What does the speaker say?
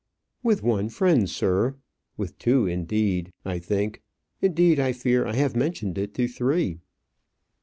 "With one friend, sir; with two, indeed; I think indeed, I fear I have mentioned it to three."